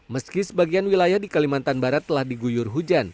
meski sebagian wilayah di kalimantan barat telah diguyur hujan